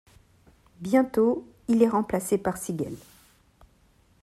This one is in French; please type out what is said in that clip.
Bientôt, il est remplacé par Sigel.